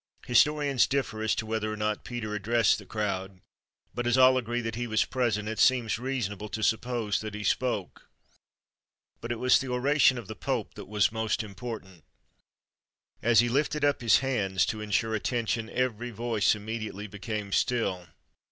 Historians differ as to whether or not Peter addressed the crowd, but as all agree that he was present, it seems reasonable to suppose that he spoke. But it was the oration of the Pope that was most important. As he lifted up his hands to ensure attention, every voice immediately became still.